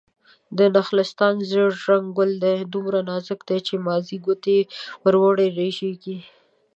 نخلستان: زيړ رنګه ګل دی، دومره نازک دی چې مازې ګوتې ور وړې رژيږي